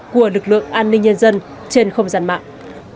của lực lượng an ninh nhân dân trên không gian mạng